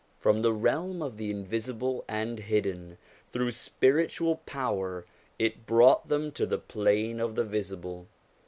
From the realm of the invisible and hidden, through spiritual power, it brought them to the plane of the visible.